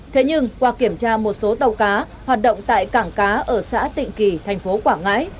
thế nhưng qua kiểm tra một số tàu cá hoạt động tại cảng cá ở xã tịnh kỳ thành phố quảng ngãi